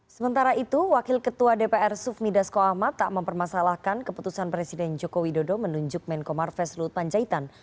sementara itu wakil ketua dpr sufmi dasko ahmad tak mempermasalahkan keputusan presiden joko widodo menunjuk menko marves luhut panjaitan